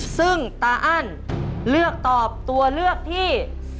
ซึ่งตาอั้นเลือกตอบตัวเลือกที่